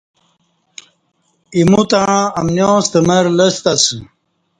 ایمو تݩع امنِیاں ستہ مر لستہ اسہ